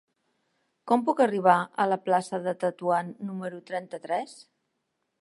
Com puc arribar a la plaça de Tetuan número trenta-tres?